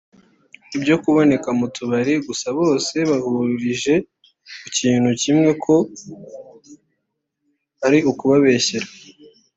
Ibyo kuboneka mu tubari gusa bose bahurije ku kintu kimwe ko ari ukubabeshyera